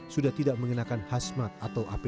sudah tidak mengenakan hasmat atau apd